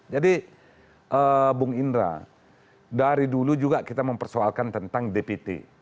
jadi bung indra dari dulu juga kita mempersoalkan tentang dpt